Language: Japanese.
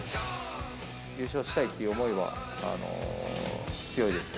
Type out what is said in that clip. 優勝したいっていう思いは強いです。